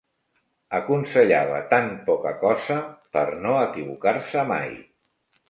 Aconsellava tant poca cosa, per no equivocar-se mai